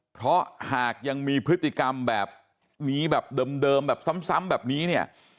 เพราะหากยังมีพฤติกรรมแบบนี้แบบเดิมแบบซ้ำแบบนี้เนี่ย